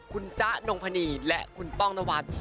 คุณจ๊ะนงพนีและคุณป้องนวัด